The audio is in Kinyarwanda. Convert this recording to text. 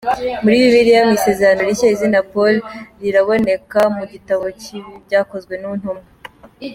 Muri Bibiliya, mu Isezerano Rishya izina Paul riboneka mu gitabo cy’ibyakozwe n’intumwa.